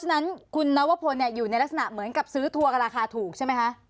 ใช่ครับคุณนอโวพลอยู่ในลักษณะเมียงกับซื้อการราคาถูกใช่ไหมคะ